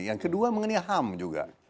yang kedua mengenai ham juga